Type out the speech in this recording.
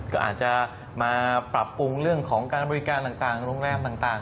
ก็อาจจะมาปรับปรุงเรื่องของการบริการต่างโรงแรมต่าง